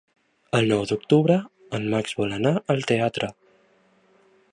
El nou d'octubre en Max vol anar al teatre.